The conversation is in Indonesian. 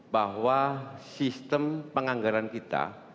bahwa sistem penganggaran kita